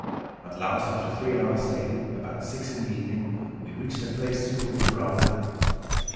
At last, after three hours' sailing, about six in the evening we reached a place suitable for our landing.